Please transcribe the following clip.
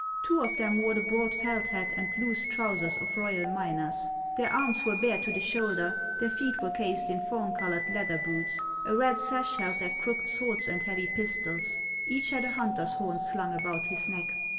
Two of them wore the broad felt hat and loose trousers of royal miners. Their arms were bare to the shoulder, their feet were cased in fawn colored leather boots ; a red sash held their crooked swords and heavy pistols ; each had a hunter's horn slung about his neck.